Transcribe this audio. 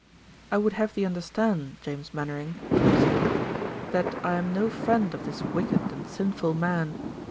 "I would have thee understand, James Mainwaring," he resumed, "that I am no friend of this wicked and sinful man.